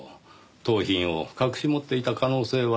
盗品を隠し持っていた可能性は？